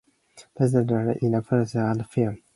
Velazquez has appeared in print ads, television, and film.